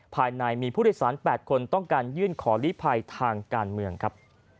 ภายในมีผู้โดยสาร๘คนต้องการยื่นขอลิภัยทางการเมืองครับ